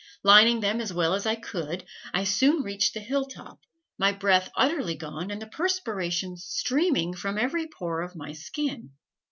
Lining them as well as I could, I soon reached the hill top, my breath utterly gone and the perspiration streaming from every pore of my skin.